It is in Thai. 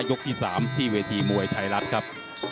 ยกที่๓ที่เวทีมวยไทยรัฐครับ